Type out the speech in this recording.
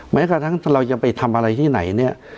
หมายถึงจิตเราจะไปทำอะไรที่ไหน